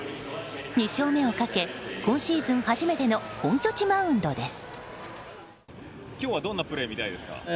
２勝目をかけ今シーズン初めての本拠地マウンドです。